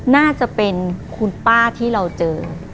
น่าจะเป็นคุณป้าที่เราเจอ